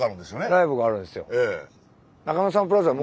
ライブがあるんですよ。